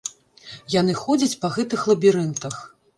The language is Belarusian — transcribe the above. Яны ходзяць па гэтых лабірынтах.